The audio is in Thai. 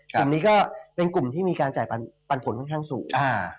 กลุ่มนี้ก็เป็นกลุ่มที่มีการจ่ายปันผลค่อนข้างสูง